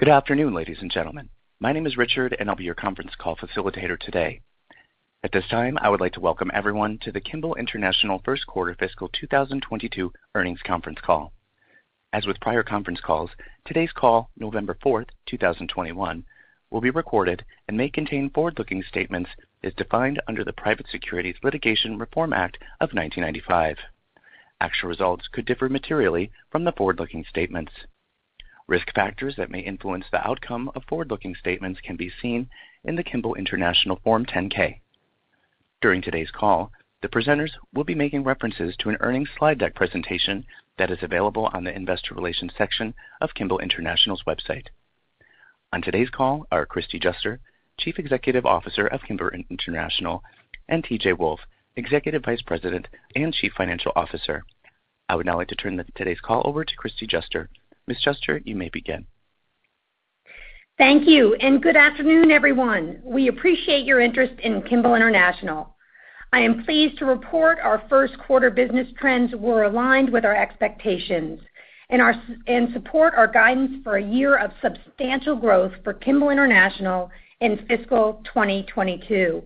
Good afternoon, ladies and gentlemen. My name is Richard, and I'll be your conference call facilitator today. At this time, I would like to welcome everyone to the Kimball International first quarter fiscal 2022 earnings conference call. As with prior conference calls, today's call, November 4, 2021, will be recorded and may contain forward-looking statements as defined under the Private Securities Litigation Reform Act of 1995. Actual results could differ materially from the forward-looking statements. Risk factors that may influence the outcome of forward-looking statements can be seen in the Kimball International Form 10-K. During today's call, the presenters will be making references to an earnings slide deck presentation that is available on the investor relations section of Kimball International's website. On today's call are Kristie Juster, Chief Executive Officer of Kimball International, and T.J. Wolfe, Executive Vice President and Chief Financial Officer. I would now like to turn today's call over to Kristie Juster. Ms. Juster, you may begin. Thank you, and good afternoon, everyone. We appreciate your interest in Kimball International. I am pleased to report our first quarter business trends were aligned with our expectations and support our guidance for a year of substantial growth for Kimball International in fiscal 2022.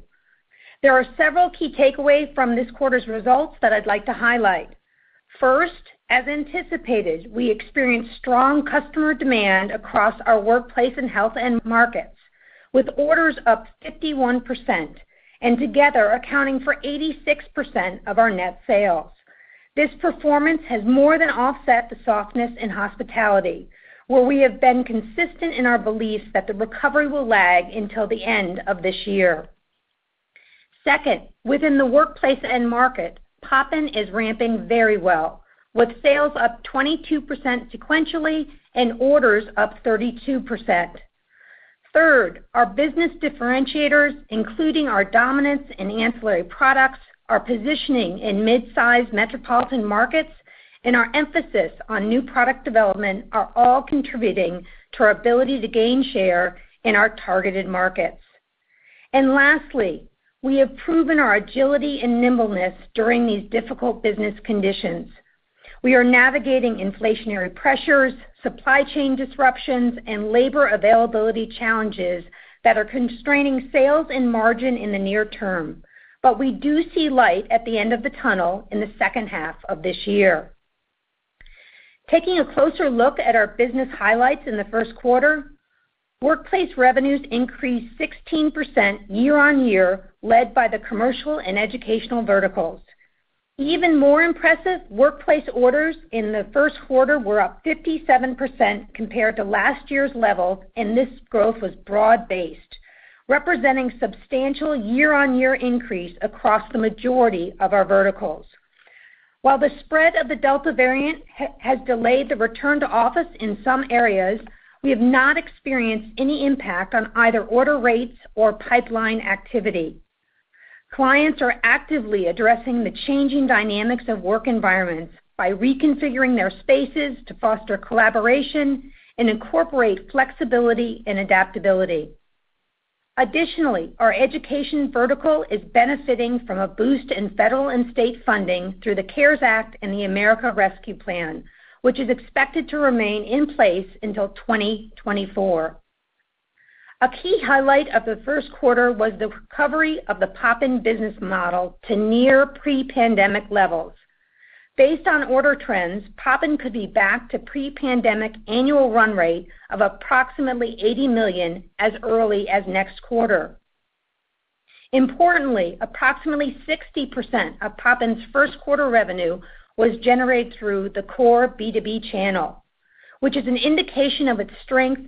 There are several key takeaways from this quarter's results that I'd like to highlight. First, as anticipated, we experienced strong customer demand across our workplace and health end markets, with orders up 51% and together accounting for 86% of our net sales. This performance has more than offset the softness in hospitality, where we have been consistent in our belief that the recovery will lag until the end of this year. Second, within the workplace end market, Poppin is ramping very well, with sales up 22% sequentially and orders up 32%. Third, our business differentiators, including our dominance in ancillary products, our positioning in mid-sized metropolitan markets, and our emphasis on new product development, are all contributing to our ability to gain share in our targeted markets. Lastly, we have proven our agility and nimbleness during these difficult business conditions. We are navigating inflationary pressures, supply chain disruptions, and labor availability challenges that are constraining sales and margin in the near term. We do see light at the end of the tunnel in the second half of this year. Taking a closer look at our business highlights in the first quarter, workplace revenues increased 16% year-on-year, led by the commercial and educational verticals. Even more impressive, workplace orders in the first quarter were up 57% compared to last year's level, and this growth was broad-based, representing substantial year-on-year increase across the majority of our verticals. While the spread of the Delta variant has delayed the return to office in some areas, we have not experienced any impact on either order rates or pipeline activity. Clients are actively addressing the changing dynamics of work environments by reconfiguring their spaces to foster collaboration and incorporate flexibility and adaptability. Additionally, our education vertical is benefiting from a boost in federal and state funding through the CARES Act and the American Rescue Plan, which is expected to remain in place until 2024. A key highlight of the first quarter was the recovery of the Poppin business model to near pre-pandemic levels. Based on order trends, Poppin could be back to pre-pandemic annual run rate of approximately $80 million as early as next quarter. Importantly, approximately 60% of Poppin's first quarter revenue was generated through the core B2B channel, which is an indication of its strength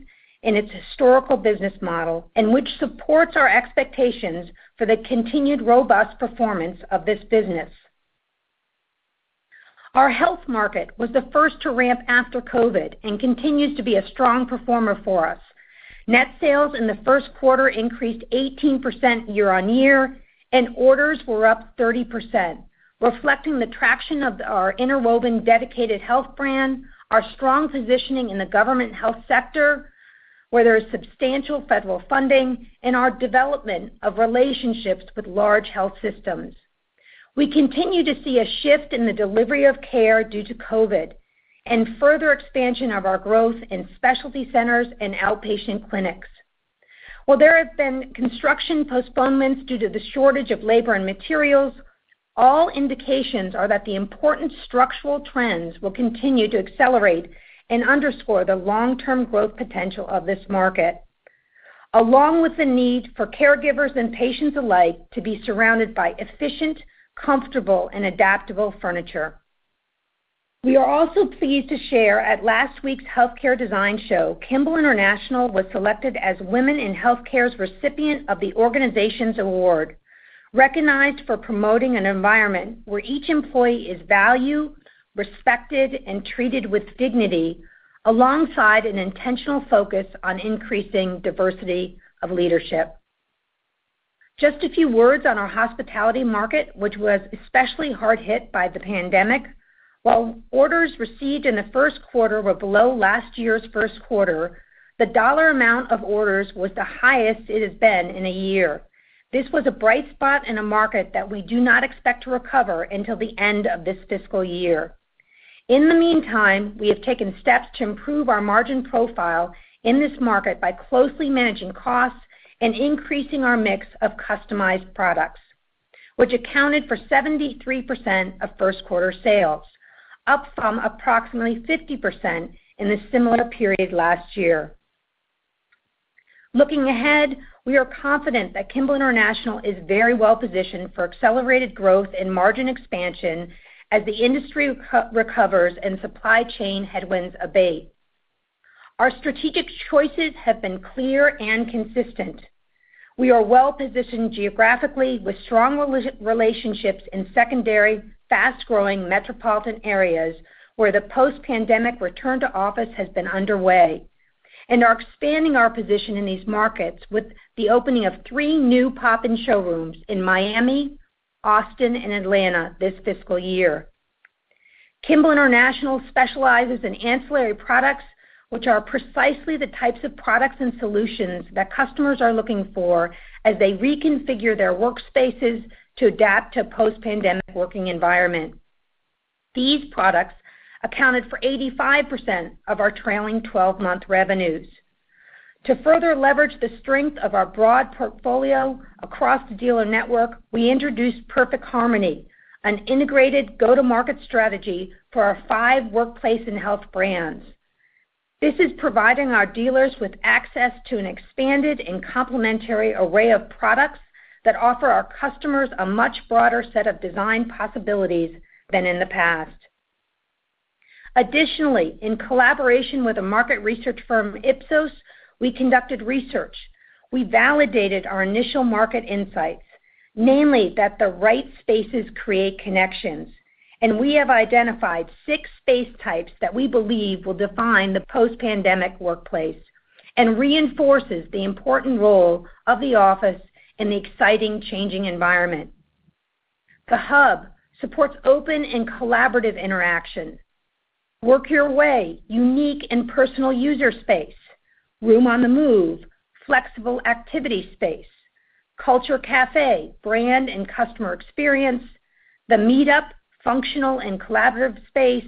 in its historical business model and which supports our expectations for the continued robust performance of this business. Our health market was the first to ramp after COVID and continues to be a strong performer for us. Net sales in the first quarter increased 18% year-on-year, and orders were up 30%, reflecting the traction of our Interwoven dedicated health brand, our strong positioning in the government health sector, where there is substantial federal funding, and our development of relationships with large health systems. We continue to see a shift in the delivery of care due to COVID and further expansion of our growth in specialty centers and outpatient clinics. While there have been construction postponements due to the shortage of labor and materials, all indications are that the important structural trends will continue to accelerate and underscore the long-term growth potential of this market, along with the need for caregivers and patients alike to be surrounded by efficient, comfortable, and adaptable furniture. We are also pleased to share that at last week's Healthcare Design Conference + Expo, Kimball International was selected as Women in Healthcare's recipient of the Organizations Award, recognized for promoting an environment where each employee is valued, respected, and treated with dignity alongside an intentional focus on increasing diversity of leadership. Just a few words on our hospitality market, which was especially hard hit by the pandemic. While orders received in the first quarter were below last year's first quarter, the dollar amount of orders was the highest it has been in a year. This was a bright spot in a market that we do not expect to recover until the end of this fiscal year. In the meantime, we have taken steps to improve our margin profile in this market by closely managing costs and increasing our mix of customized products, which accounted for 73% of first quarter sales, up from approximately 50% in the similar period last year. Looking ahead, we are confident that Kimball International is very well positioned for accelerated growth and margin expansion as the industry recovers and supply chain headwinds abate. Our strategic choices have been clear and consistent. We are well-positioned geographically with strong relationships in secondary, fast-growing metropolitan areas where the post-pandemic return to office has been underway, and are expanding our position in these markets with the opening of three new Poppin showrooms in Miami, Austin, and Atlanta this fiscal year. Kimball International specializes in ancillary products, which are precisely the types of products and solutions that customers are looking for as they reconfigure their workspaces to adapt to post-pandemic working environment. These products accounted for 85% of our trailing twelve-month revenues. To further leverage the strength of our broad portfolio across the dealer network, we introduced Perfect Harmony, an integrated go-to-market strategy for our five workplace and health brands. This is providing our dealers with access to an expanded and complementary array of products that offer our customers a much broader set of design possibilities than in the past. Additionally, in collaboration with a market research firm, Ipsos, we conducted research. We validated our initial market insights, namely that the right spaces create connections. We have identified six space types that we believe will define the post-pandemic workplace and reinforces the important role of the office in the exciting changing environment. The Hub supports open and collaborative interaction. Work Your Way, unique and personal user space. Room on the Move, flexible activity space. Culture Café, brand and customer experience. The Meet-Up, functional and collaborative space,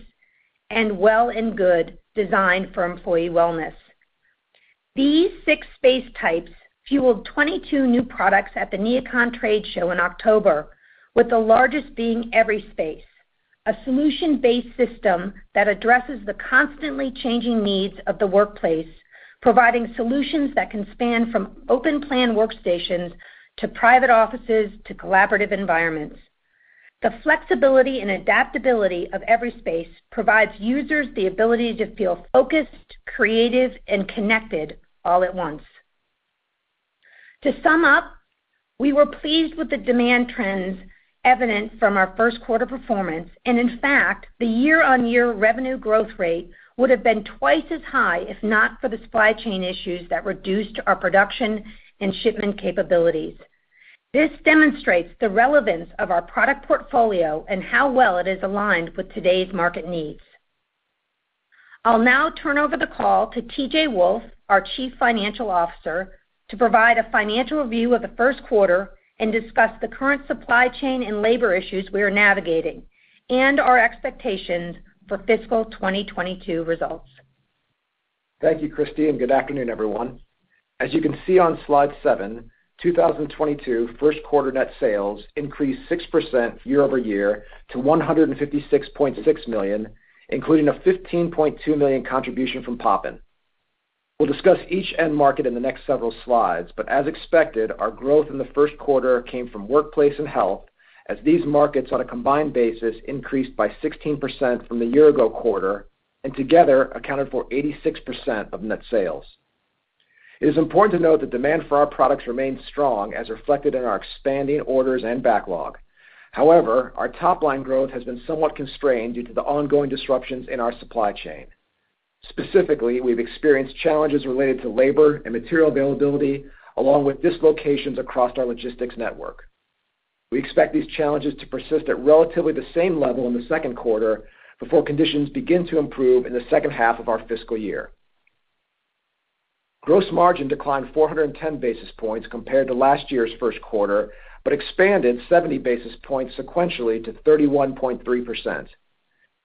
and Well + Good, designed for employee wellness. These six space types fueled 22 new products at the NeoCon trade show in October, with the largest being EverySpace, a solution-based system that addresses the constantly changing needs of the workplace, providing solutions that can span from open plan workstations to private offices to collaborative environments. The flexibility and adaptability of EverySpace provides users the ability to feel focused, creative, and connected all at once. To sum up, we were pleased with the demand trends evident from our first quarter performance, and in fact, the year-on-year revenue growth rate would have been twice as high if not for the supply chain issues that reduced our production and shipment capabilities. This demonstrates the relevance of our product portfolio and how well it is aligned with today's market needs. I'll now turn over the call to T.J. Wolfe, our Chief Financial Officer, to provide a financial review of the first quarter and discuss the current supply chain and labor issues we are navigating and our expectations for fiscal 2022 results. Thank you, Kristie, and good afternoon, everyone. As you can see on slide seven, 2022 first quarter net sales increased 6% year-over-year to $156.6 million, including a $15.2 million contribution from Poppin. We'll discuss each end market in the next several slides, but as expected, our growth in the first quarter came from workplace and health as these markets on a combined basis increased by 16% from the year-ago quarter and together accounted for 86% of net sales. It is important to note that demand for our products remains strong as reflected in our expanding orders and backlog. However, our top line growth has been somewhat constrained due to the ongoing disruptions in our supply chain. Specifically, we've experienced challenges related to labor and material availability along with dislocations across our logistics network. We expect these challenges to persist at relatively the same level in the second quarter before conditions begin to improve in the second half of our fiscal year. Gross margin declined 410 basis points compared to last year's first quarter, but expanded 70 basis points sequentially to 31.3%.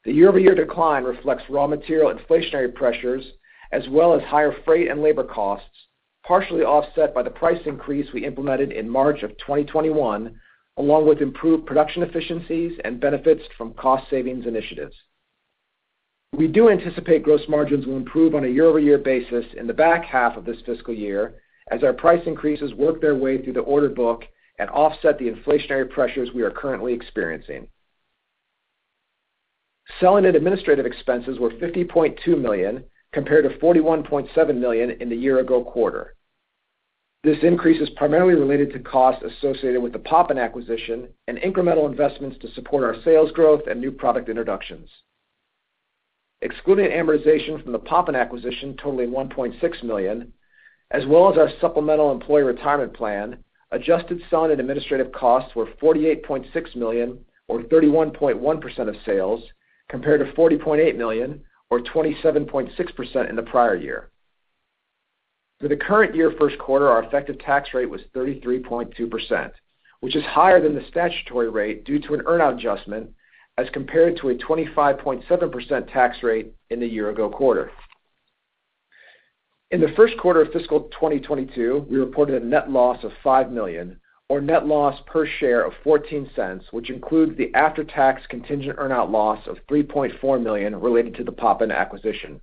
The year-over-year decline reflects raw material inflationary pressures as well as higher freight and labor costs, partially offset by the price increase we implemented in March of 2021, along with improved production efficiencies and benefits from cost savings initiatives. We do anticipate gross margins will improve on a year-over-year basis in the back half of this fiscal year as our price increases work their way through the order book and offset the inflationary pressures we are currently experiencing. Selling and administrative expenses were $50.2 million compared to $41.7 million in the year-ago quarter. This increase is primarily related to costs associated with the Poppin acquisition and incremental investments to support our sales growth and new product introductions. Excluding amortization from the Poppin acquisition totaling $1.6 million, as well as our supplemental employee retirement plan, adjusted selling and administrative costs were $48.6 million or 31.1% of sales compared to $40.8 million or 27.6% in the prior year. For the current year first quarter, our effective tax rate was 33.2%, which is higher than the statutory rate due to an earn-out adjustment, as compared to a 25.7% tax rate in the year-ago quarter. In the first quarter of fiscal 2022, we reported a net loss of $5 million or net loss per share of $0.14, which includes the after-tax contingent earn-out loss of $3.4 million related to the Poppin acquisition.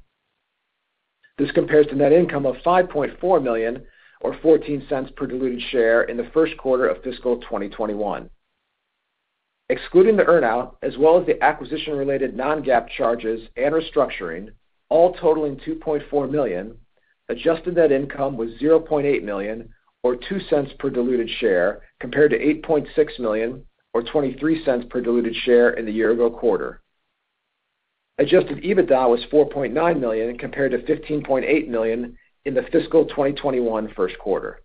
This compares to net income of $5.4 million or $0.14 per diluted share in the first quarter of fiscal 2021. Excluding the earn-out, as well as the acquisition-related non-GAAP charges and restructuring, all totaling $2.4 million, adjusted net income was $0.8 million or $0.02 per diluted share, compared to $8.6 million or $0.23 per diluted share in the year ago quarter. Adjusted EBITDA was $4.9 million compared to $15.8 million in the fiscal 2021 first quarter.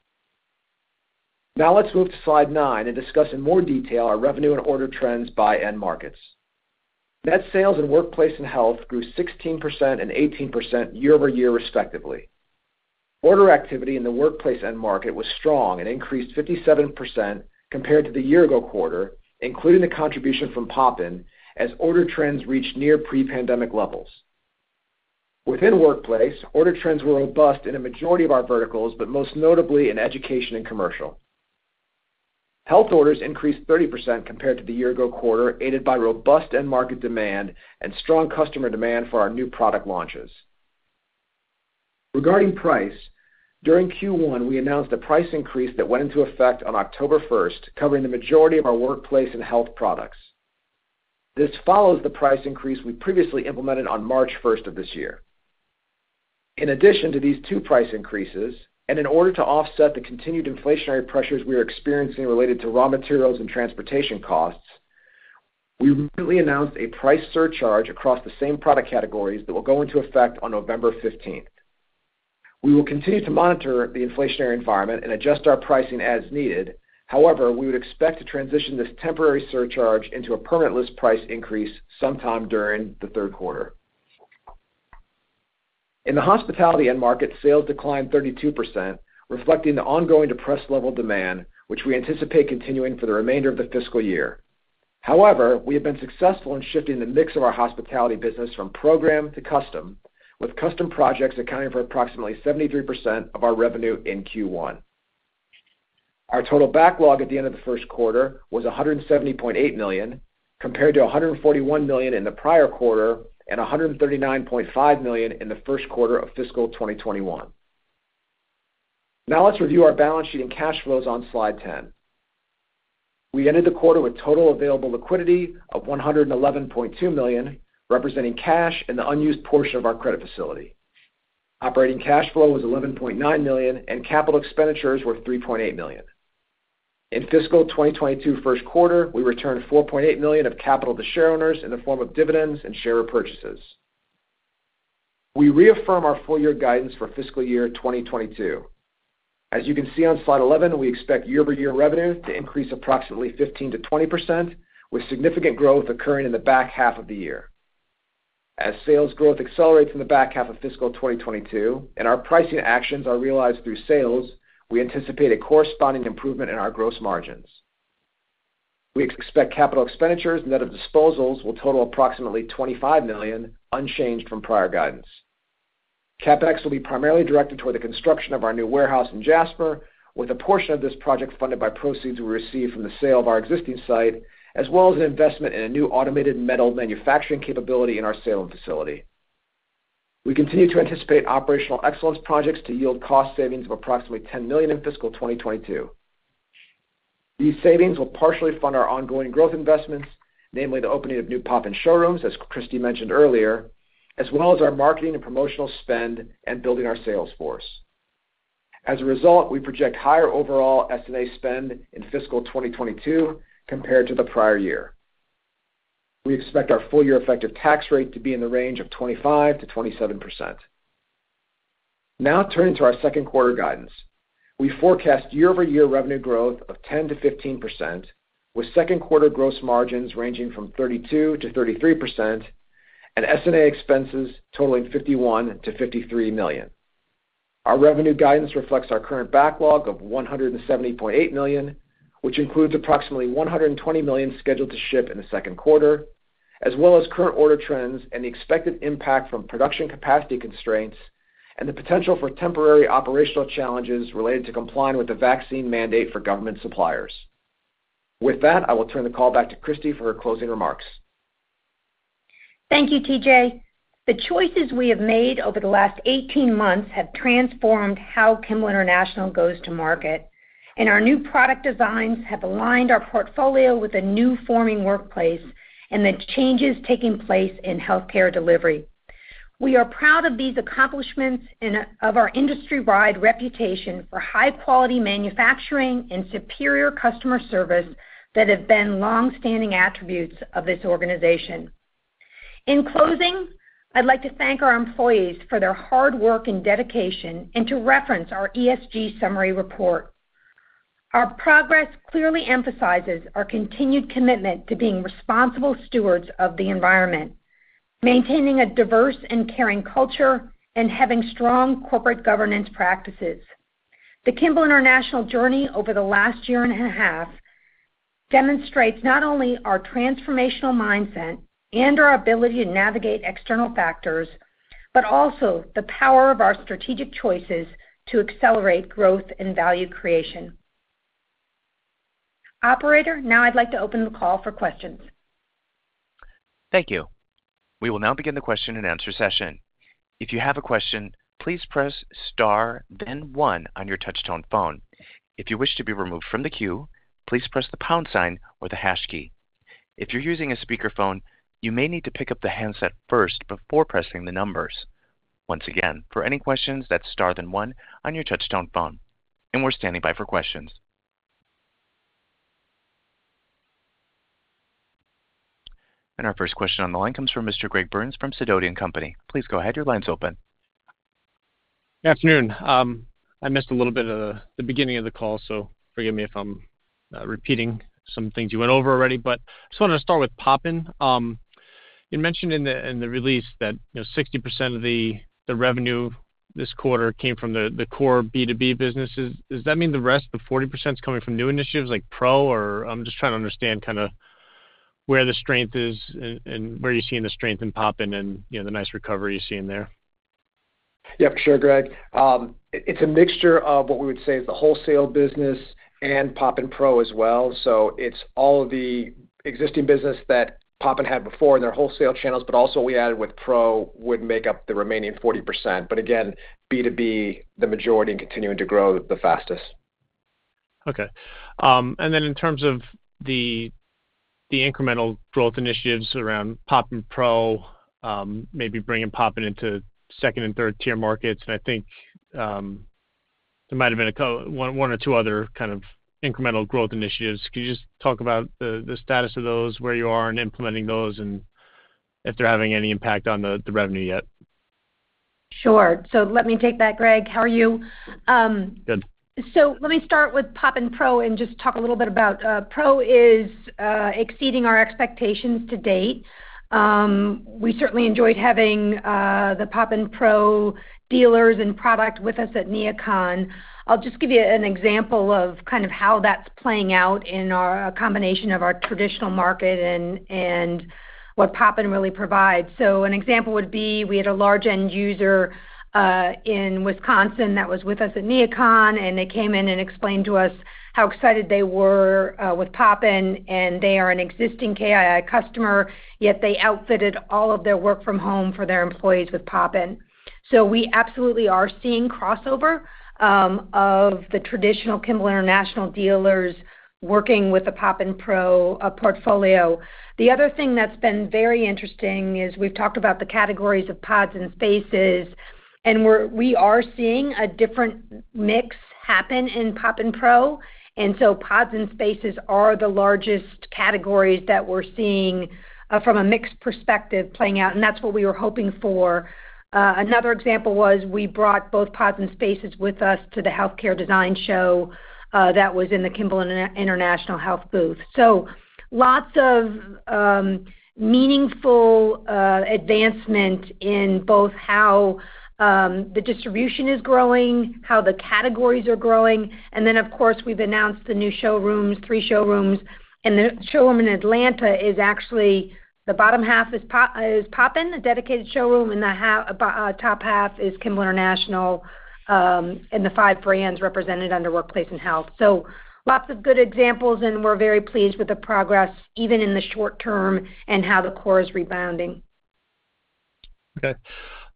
Now let's move to slide nine and discuss in more detail our revenue and order trends by end markets. Net sales in workplace and health grew 16% and 18% year-over-year, respectively. Order activity in the workplace end market was strong and increased 57% compared to the year-ago quarter, including the contribution from Poppin, as order trends reached near pre-pandemic levels. Within workplace, order trends were robust in a majority of our verticals, but most notably in education and commercial. Health orders increased 30% compared to the year-ago quarter, aided by robust end market demand and strong customer demand for our new product launches. Regarding price, during Q1, we announced a price increase that went into effect on October 1st, covering the majority of our workplace and health products. This follows the price increase we previously implemented on March 1st of this year. In addition to these two price increases, and in order to offset the continued inflationary pressures we are experiencing related to raw materials and transportation costs, we recently announced a price surcharge across the same product categories that will go into effect on November 15th. We will continue to monitor the inflationary environment and adjust our pricing as needed. However, we would expect to transition this temporary surcharge into a permanent list price increase sometime during the third quarter. In the hospitality end market, sales declined 32%, reflecting the ongoing depressed level demand, which we anticipate continuing for the remainder of the fiscal year. However, we have been successful in shifting the mix of our hospitality business from program to custom, with custom projects accounting for approximately 73% of our revenue in Q1. Our total backlog at the end of the first quarter was $170.8 million, compared to $141 million in the prior quarter and $139.5 million in the first quarter of fiscal 2021. Now let's review our balance sheet and cash flows on slide 10. We ended the quarter with total available liquidity of $111.2 million, representing cash in the unused portion of our credit facility. Operating cash flow was $11.9 million, and capital expenditures were $3.8 million. In fiscal 2022 first quarter, we returned $4.8 million of capital to shareowners in the form of dividends and share repurchases. We reaffirm our full year guidance for fiscal year 2022. As you can see on slide 11, we expect year-over-year revenue to increase approximately 15%-20%, with significant growth occurring in the back half of the year. As sales growth accelerates in the back half of fiscal 2022 and our pricing actions are realized through sales, we anticipate a corresponding improvement in our gross margins. We expect capital expenditures net of disposals will total approximately $25 million, unchanged from prior guidance. CapEx will be primarily directed toward the construction of our new warehouse in Jasper, with a portion of this project funded by proceeds we received from the sale of our existing site, as well as an investment in a new automated metal manufacturing capability in our Salem facility. We continue to anticipate operational excellence projects to yield cost savings of approximately $10 million in fiscal 2022. These savings will partially fund our ongoing growth investments, namely the opening of new Poppin showrooms, as Kristie mentioned earlier, as well as our marketing and promotional spend and building our sales force. As a result, we project higher overall S&A spend in fiscal 2022 compared to the prior year. We expect our full year effective tax rate to be in the range of 25%-27%. Now turning to our second quarter guidance. We forecast year-over-year revenue growth of 10%-15%, with second quarter gross margins ranging from 32%-33% and S&A expenses totaling $51 million-$53 million. Our revenue guidance reflects our current backlog of $170.8 million, which includes approximately $120 million scheduled to ship in the second quarter, as well as current order trends and the expected impact from production capacity constraints and the potential for temporary operational challenges related to complying with the vaccine mandate for government suppliers. With that, I will turn the call back to Kristie for her closing remarks. Thank you, T.J. The choices we have made over the last 18 months have transformed how Kimball International goes to market, and our new product designs have aligned our portfolio with the new forming workplace and the changes taking place in healthcare delivery. We are proud of these accomplishments and of our industry-wide reputation for high quality manufacturing and superior customer service that have been long-standing attributes of this organization. In closing, I'd like to thank our employees for their hard work and dedication and to reference our ESG summary report. Our progress clearly emphasizes our continued commitment to being responsible stewards of the environment, maintaining a diverse and caring culture, and having strong corporate governance practices. The Kimball International journey over the last year and a half demonstrates not only our transformational mindset and our ability to navigate external factors, but also the power of our strategic choices to accelerate growth and value creation. Operator, now I'd like to open the call for questions. Thank you. We will now begin the question-and-answer session. If you have a question, please press Star, then one on your touchtone phone. If you wish to be removed from the queue, please press the pound sign or the hash key. If you're using a speakerphone, you may need to pick up the handset first before pressing the numbers. Once again, for any questions, that's Star, then one on your touchtone phone. We're standing by for questions. Our first question on the line comes from Mr. Greg Burns from Sidoti & Company. Please go ahead. Your line's open. Good afternoon. I missed a little bit of the beginning of the call, so forgive me if I'm repeating some things you went over already, but just wanted to start with Poppin. You mentioned in the release that, you know, 60% of the revenue this quarter came from the core B2B businesses. Does that mean the rest of the 40% is coming from new initiatives like Pro? Or I'm just trying to understand kinda where the strength is and where you're seeing the strength in Poppin and, you know, the nice recovery you're seeing there. Yeah, for sure, Greg. It's a mixture of what we would say is the wholesale business and Poppin Pro as well. It's all of the existing business that Poppin had before in their wholesale channels, but also what we added with Pro would make up the remaining 40%. Again, B2B, the majority and continuing to grow the fastest. Okay. In terms of the incremental growth initiatives around Poppin Pro, maybe bringing Poppin into second and third-tier markets, and I think there might have been one or two other kind of incremental growth initiatives. Can you just talk about the status of those, where you are in implementing those, and if they're having any impact on the revenue yet? Sure. Let me take that, Greg. How are you? Good. Let me start with Poppin Pro and just talk a little bit about Pro is exceeding our expectations to date. We certainly enjoyed having the Poppin Pro dealers and product with us at NeoCon. I'll just give you an example of kind of how that's playing out in our combination of our traditional market and what Poppin really provides. An example would be, we had a large end user in Wisconsin that was with us at NeoCon, and they came in and explained to us how excited they were with Poppin, and they are an existing KII customer, yet they outfitted all of their work from home for their employees with Poppin. We absolutely are seeing crossover of the traditional Kimball International dealers working with the Poppin Pro portfolio. The other thing that's been very interesting is we've talked about the categories of pods and spaces, and we are seeing a different mix happen in Poppin Pro. Pods and spaces are the largest categories that we're seeing from a mix perspective playing out, and that's what we were hoping for. Another example was we brought both pods and spaces with us to the healthcare design show that was in the Kimball International Health booth. Lots of meaningful advancement in both how the distribution is growing, how the categories are growing, and then of course, we've announced the new showrooms, three showrooms. The showroom in Atlanta is actually the bottom half is Poppin, the dedicated showroom, and the top half is Kimball International, and the five brands represented under Workplace and Health. Lots of good examples, and we're very pleased with the progress, even in the short term, and how the core is rebounding.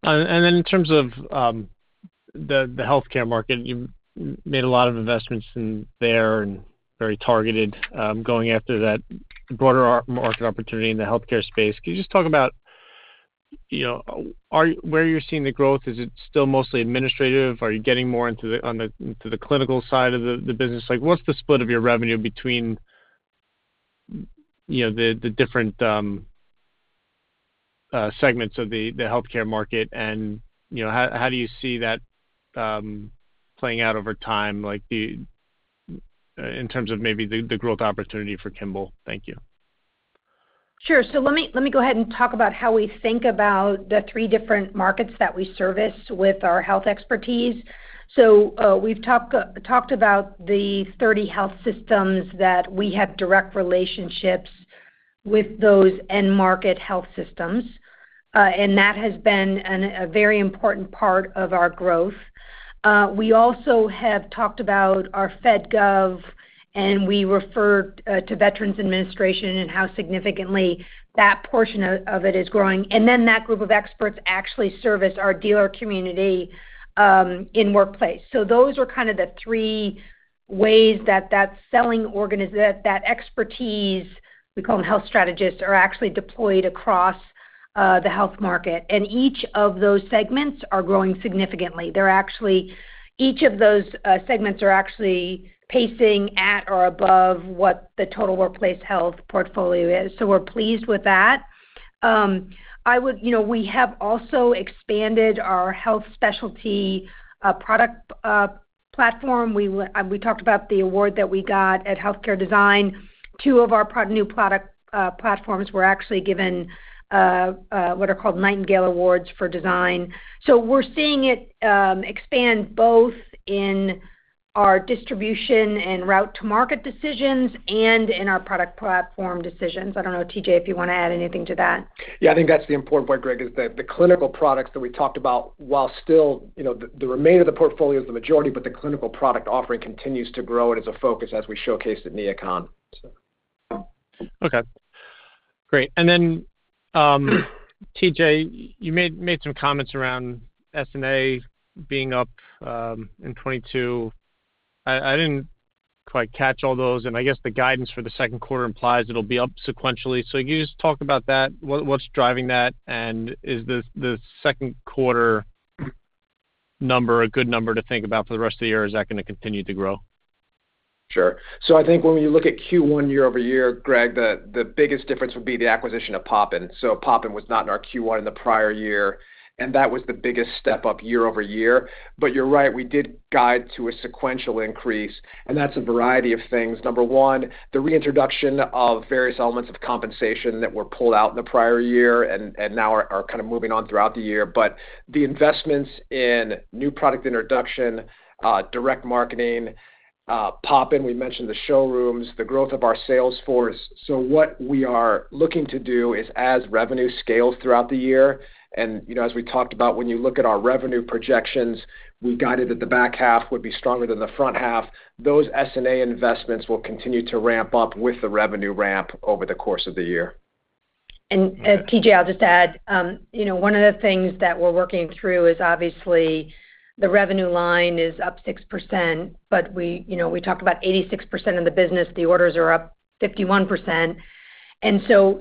Okay. In terms of the healthcare market, you made a lot of investments in there and very targeted, going after that broader market opportunity in the healthcare space. Can you just talk about, you know, where you're seeing the growth? Is it still mostly administrative? Are you getting more into the clinical side of the business? Like, what's the split of your revenue between, you know, the different segments of the healthcare market? You know, how do you see that playing out over time, like in terms of maybe the growth opportunity for Kimball? Thank you. Sure. Let me go ahead and talk about how we think about the three different markets that we service with our health expertise. We've talked about the 30 health systems that we have direct relationships with those end-market health systems. That has been a very important part of our growth. We also have talked about our Fed Gov and we referred to Veterans Administration and how significantly that portion of it is growing. Then that group of experts actually service our dealer community in workplace. Those are kind of the three ways that that expertise we call them health strategists are actually deployed across the health market. Each of those segments are growing significantly. Each of those segments are actually pacing at or above what the total workplace health portfolio is. We're pleased with that. You know, we have also expanded our health specialty product platform. We talked about the award that we got at Healthcare Design. Two of our new product platforms were actually given what are called Nightingale Awards for design. We're seeing it expand both in our distribution and route to market decisions and in our product platform decisions. I don't know, T.J., if you wanna add anything to that. Yeah. I think that's the important point, Greg, is that the clinical products that we talked about, while still, you know, the remainder of the portfolio is the majority, but the clinical product offering continues to grow, and it's a focus as we showcased at NeoCon, so. Okay. Great. T.J., you made some comments around S&A being up in 2022. I didn't quite catch all those, and I guess the guidance for the second quarter implies it'll be up sequentially. Can you just talk about that, what's driving that, and is the second quarter number a good number to think about for the rest of the year, or is that gonna continue to grow? Sure. I think when you look at Q1 year-over-year, Greg, the biggest difference would be the acquisition of Poppin. Poppin was not in our Q1 in the prior year, and that was the biggest step-up year-over-year. You're right, we did guide to a sequential increase, and that's a variety of things. Number one, the reintroduction of various elements of compensation that were pulled out in the prior year and now are kinda moving on throughout the year. The investments in new product introduction, direct marketing, Poppin, we mentioned the showrooms, the growth of our sales force. What we are looking to do is as revenue scales throughout the year, and you know, as we talked about, when you look at our revenue projections, we've guided that the back half would be stronger than the front half. Those S&A investments will continue to ramp up with the revenue ramp over the course of the year. TJ, I'll just add, you know, one of the things that we're working through is obviously the revenue line is up 6%, but we, you know, we talked about 86% of the business, the orders are up 51%.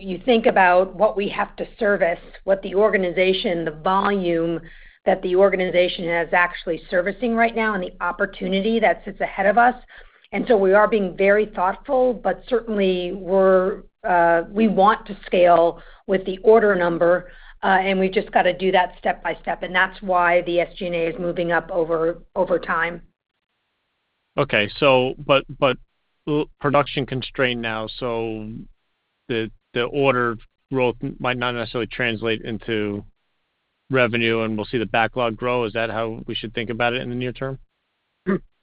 You think about what we have to service, what the organization, the volume that the organization has actually servicing right now and the opportunity that sits ahead of us. We are being very thoughtful, but certainly we want to scale with the order number, and we've just gotta do that step by step, and that's why the SG&A is moving up over time. Production constrained now, so the order growth might not necessarily translate into revenue, and we'll see the backlog grow. Is that how we should think about it in the near term?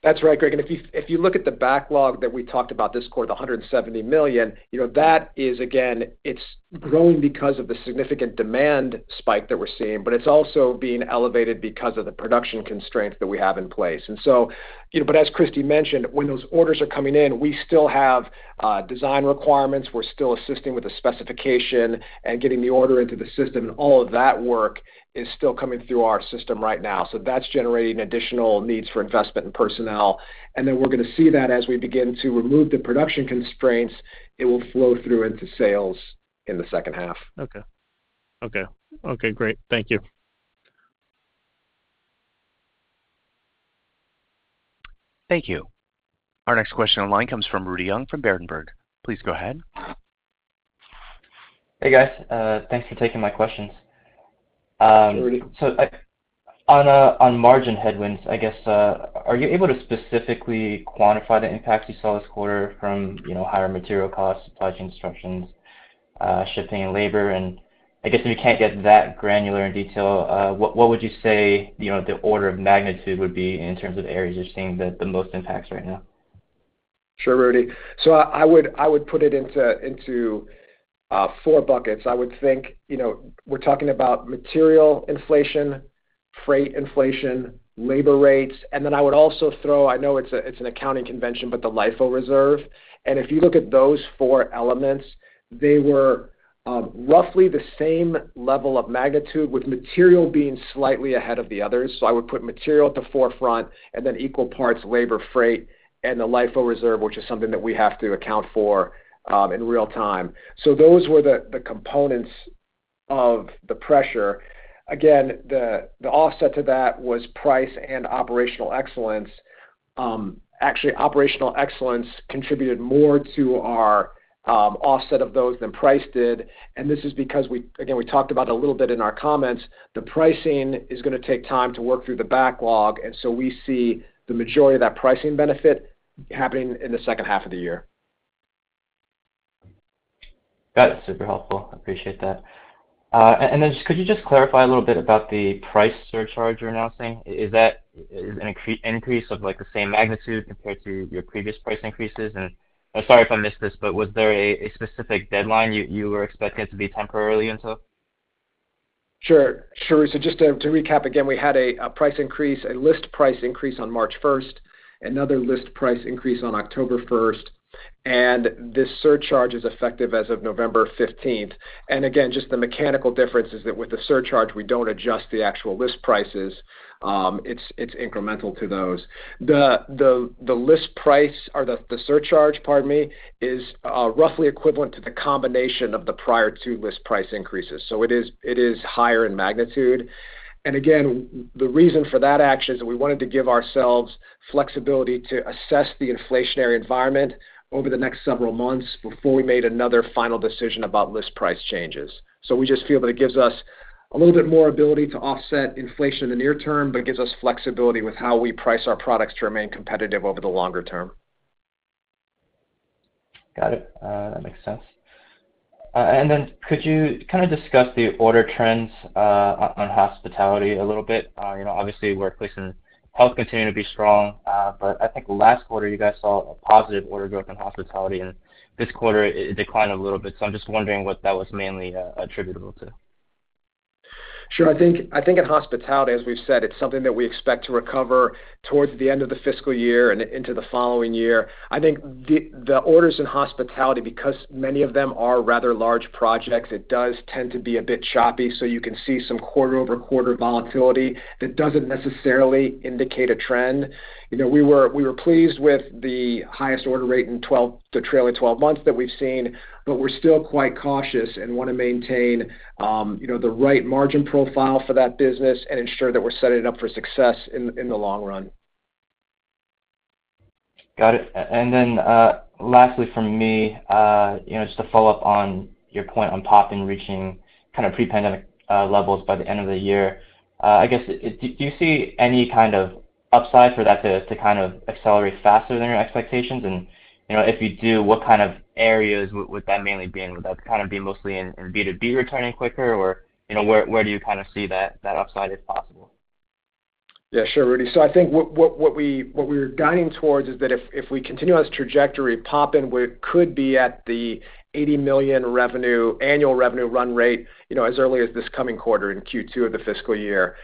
That's right, Greg. If you look at the backlog that we talked about this quarter, the $170 million, you know, that is again, it's growing because of the significant demand spike that we're seeing, but it's also being elevated because of the production constraints that we have in place. You know, but as Kristie mentioned, when those orders are coming in, we still have design requirements, we're still assisting with the specification and getting the order into the system. All of that work is still coming through our system right now. That's generating additional needs for investment in personnel. We're gonna see that as we begin to remove the production constraints, it will flow through into sales in the second half. Okay, great. Thank you. Thank you. Our next question online comes from Rudy Yang from Berenberg. Please go ahead. Hey, guys. Thanks for taking my questions. Sure, Rudy. On margin headwinds, I guess, are you able to specifically quantify the impact you saw this quarter from, you know, higher material costs, supply chain disruptions, shipping and labor? I guess if you can't get that granular in detail, what would you say, you know, the order of magnitude would be in terms of areas you're seeing the most impacts right now? Sure, Rudy. I would put it into four buckets. I would think, you know, we're talking about material inflation, freight inflation, labor rates, and then I would also throw, I know it's an accounting convention, but the LIFO reserve. If you look at those four elements, they were roughly the same level of magnitude with material being slightly ahead of the others. I would put material at the forefront and then equal parts labor, freight, and the LIFO reserve, which is something that we have to account for in real time. Those were the components of the pressure. Again, the offset to that was price and operational excellence. Actually, operational excellence contributed more to our offset of those than price did, and this is because we... Again, we talked about a little bit in our comments, the pricing is gonna take time to work through the backlog, and so we see the majority of that pricing benefit happening in the second half of the year. That's super helpful. I appreciate that. Just could you just clarify a little bit about the price surcharge you're announcing? Is that an increase of, like, the same magnitude compared to your previous price increases? Sorry if I missed this, but was there a specific deadline you were expecting it to be temporarily until? Sure. Just to recap again, we had a price increase, a list price increase on March 1st, another list price increase on October 1st, and this surcharge is effective as of November 15th. Just the mechanical difference is that with the surcharge, we don't adjust the actual list prices. It's incremental to those. The list price or the surcharge, pardon me, is roughly equivalent to the combination of the prior two list price increases. It is higher in magnitude. The reason for that action is that we wanted to give ourselves flexibility to assess the inflationary environment over the next several months before we made another final decision about list price changes. We just feel that it gives us a little bit more ability to offset inflation in the near term, but it gives us flexibility with how we price our products to remain competitive over the longer term. Got it. That makes sense. Could you kind of discuss the order trends on hospitality a little bit? You know, obviously workplace and health continue to be strong. I think last quarter you guys saw a positive order growth in hospitality, and this quarter it declined a little bit. I'm just wondering what that was mainly attributable to. Sure. I think in hospitality, as we've said, it's something that we expect to recover toward the end of the fiscal year and into the following year. I think the orders in hospitality, because many of them are rather large projects, it does tend to be a bit choppy. You can see some quarter-over-quarter volatility that doesn't necessarily indicate a trend. You know, we were pleased with the highest order rate in the trailing twelve months that we've seen, but we're still quite cautious and wanna maintain you know, the right margin profile for that business and ensure that we're setting it up for success in the long run. Got it. Lastly from me, you know, just to follow up on your point on Poppin reaching kind of pre-pandemic levels by the end of the year. I guess do you see any kind of upside for that to kind of accelerate faster than your expectations? You know, if you do, what kind of areas would that mainly be in? Would that kind of be mostly in B2B returning quicker or, you know, where do you kind of see that upside if possible? Yeah, sure, Rudy. I think what we're guiding towards is that if we continue on this trajectory, Poppin could be at the $80 million revenue annual revenue run rate, you know, as early as this coming quarter in Q2 of the fiscal year.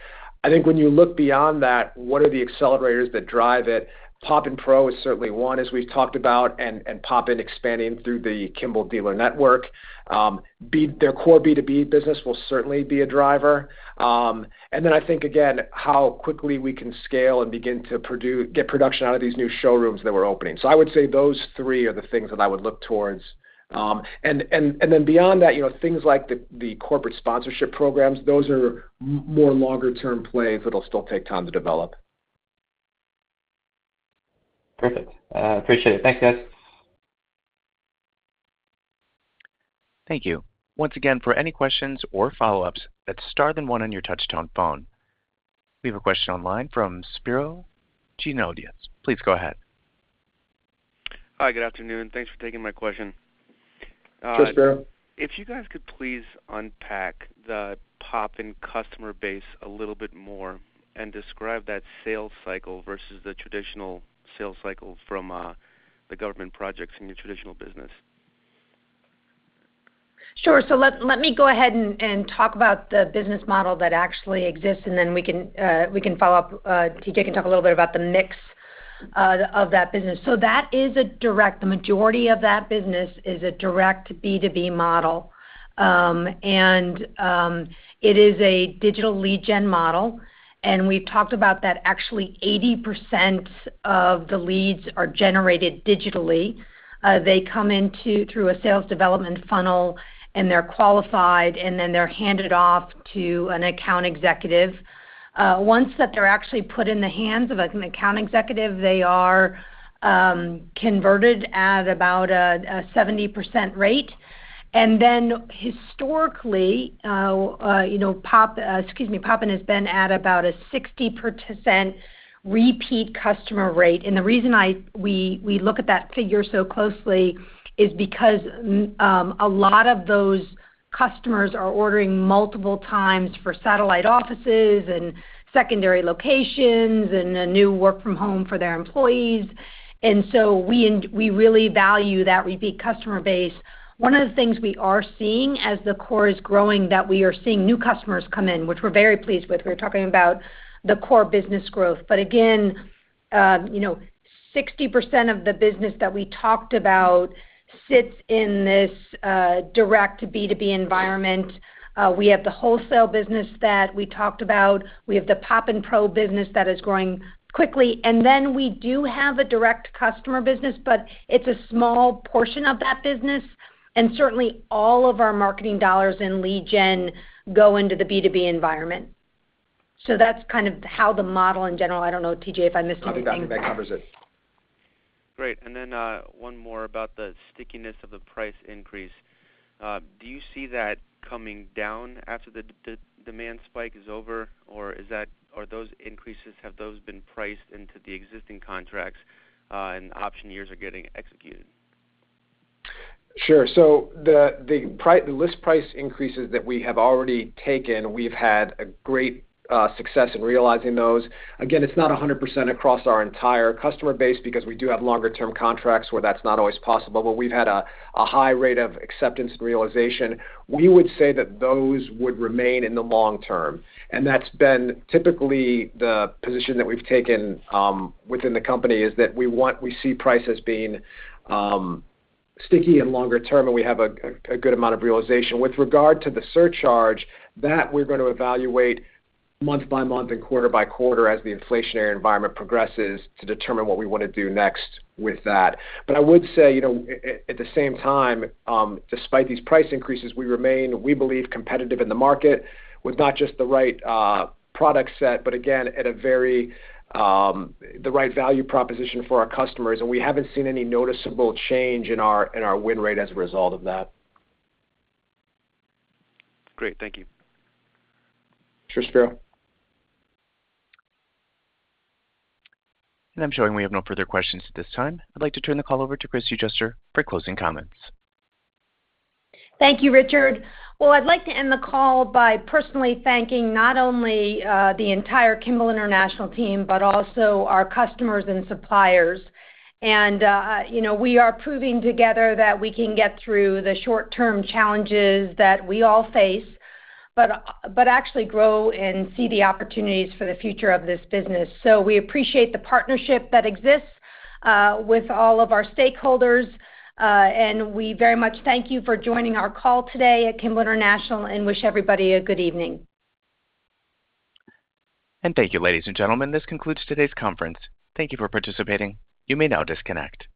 I think when you look beyond that, what are the accelerators that drive it? Poppin Pro is certainly one, as we've talked about, and Poppin expanding through the Kimball dealer network. Their core B2B business will certainly be a driver. And then I think again, how quickly we can scale and begin to get production out of these new showrooms that we're opening. I would say those three are the things that I would look towards. Beyond that, you know, things like the corporate sponsorship programs, those are more longer term plays, that'll still take time to develop. Perfect. Appreciate it. Thanks, guys. Thank you. Once again, for any questions or follow-ups, hit star then one on your touchtone phone. We have a question online from Spiro Dounis. Please go ahead. Hi, good afternoon. Thanks for taking my question. Sure, Spiro. If you guys could please unpack the Poppin customer base a little bit more and describe that sales cycle versus the traditional sales cycle from the government projects in your traditional business. Sure. Let me go ahead and talk about the business model that actually exists, and then we can follow up. T.J. can talk a little bit about the mix of that business. The majority of that business is a direct B2B model. It is a digital lead gen model, and we've talked about that actually 80% of the leads are generated digitally. They come in through a sales development funnel, and they're qualified, and then they're handed off to an account executive. Once they're actually put in the hands of an account executive, they are converted at about a 70% rate. Then historically, Poppin has been at about a 60% repeat customer rate. The reason we look at that figure so closely is because a lot of those customers are ordering multiple times for satellite offices and secondary locations and a new work from home for their employees. We really value that repeat customer base. One of the things we are seeing as the core is growing, that we are seeing new customers come in, which we're very pleased with. We were talking about the core business growth. Again, you know, 60% of the business that we talked about sits in this direct B2B environment. We have the wholesale business that we talked about. We have the Poppin Pro business that is growing quickly. We do have a direct customer business, but it's a small portion of that business. Certainly all of our marketing dollars in lead gen go into the B2B environment. That's kind of how the model in general. I don't know, T.J., if I missed anything. I think that covers it. Great. One more about the stickiness of the price increase. Do you see that coming down after the demand spike is over, or are those increases, have those been priced into the existing contracts, and option years are getting executed? Sure. The list price increases that we have already taken, we've had a great success in realizing those. Again, it's not 100% across our entire customer base because we do have longer term contracts where that's not always possible. We've had a high rate of acceptance realization. We would say that those would remain in the long term. That's been typically the position that we've taken within the company, is that we see prices being sticky and longer term, and we have a good amount of realization. With regard to the surcharge, that we're going to evaluate month by month and quarter by quarter as the inflationary environment progresses to determine what we wanna do next with that. I would say, you know, at the same time, despite these price increases, we remain, we believe, competitive in the market with not just the right product set, but again at a very the right value proposition for our customers. We haven't seen any noticeable change in our win rate as a result of that. Great. Thank you. Sure, Spiro. I'm showing we have no further questions at this time. I'd like to turn the call over to Kristie Juster for closing comments. Thank you, Richard. Well, I'd like to end the call by personally thanking not only the entire Kimball International team, but also our customers and suppliers. You know, we are proving together that we can get through the short-term challenges that we all face, but actually grow and see the opportunities for the future of this business. We appreciate the partnership that exists with all of our stakeholders, and we very much thank you for joining our call today at Kimball International and wish everybody a good evening. Thank you, ladies and gentlemen. This concludes today's conference. Thank you for participating. You may now disconnect.